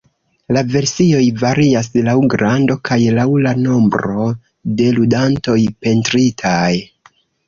La versioj varias laŭ grando kaj laŭ la nombro de ludantoj pentritaj.